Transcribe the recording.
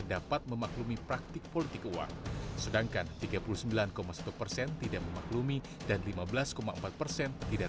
dapat memaklumi praktik politik uang sedangkan tiga puluh sembilan satu persen tidak memaklumi dan lima belas empat persen tidak